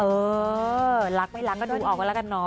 เออรักไม่รักก็ดูออกเลยละกันนะ